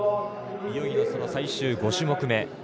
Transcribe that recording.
いよいよ、その最終５種目め。